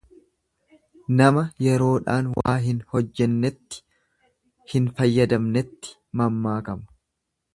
Nama yeroodhaan waa hin hojjennetti, hin fayyadamnetti mammaakama.